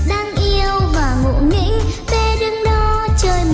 bằng nghe nghe em nói